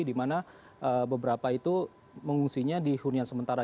dimana beberapa itu mengungsinya di hunian sementara